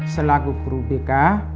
selaku guru bk